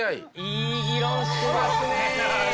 いい議論してますね！